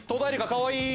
かわいい。